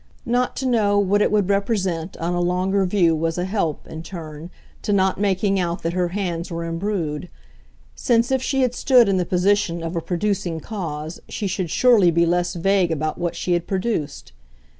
Not to know what it would represent on a longer view was a help, in turn, to not making out that her hands were embrued; since if she had stood in the position of a producing cause she should surely be less vague about what she had produced.